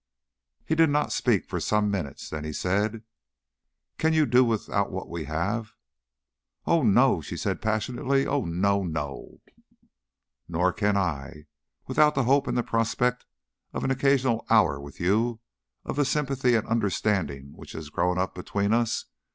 He did not speak for some minutes. Then he said, "Can you do without what we have?" "Oh, no!" she said passionately. "Oh, no! No!" "Nor can I without the hope and the prospect of an occasional hour with you, of the sympathy and understanding which has grown up between us.